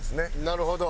なるほど。